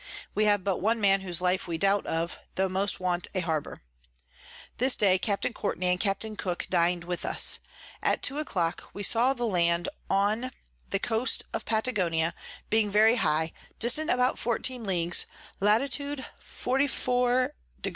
We have but one Man whose Life we doubt of, tho most want a Harbour. This day Capt. Courtney and Capt. Cook din'd with us. At two a clock we saw the Land on the Coast of Patagonia, being very high, distant about 14 Ls. Lat. 44. 9. S.